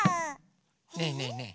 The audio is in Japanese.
ねえねえねえ。